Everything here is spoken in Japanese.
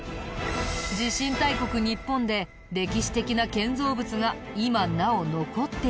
地震大国日本で歴史的な建造物が今なお残っている理由